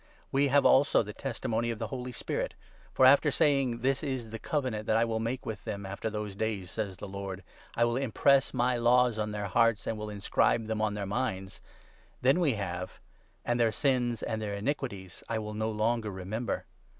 We have also the testimony of the Holy Spirit. 15 For, after saying —'" This is the Covenant that I will make with them 16 After those days,'' says the Lord ;" I will impress my laws on their hearts, And will inscribe them on their minds," ' then we have — 'And their sins and their iniquities I will no longer remember.'